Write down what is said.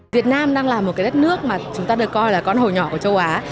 việt nam đang là một cái đất nước mà chúng ta được coi là con hồ nhỏ của châu á